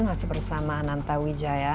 masih bersama nanta wijaya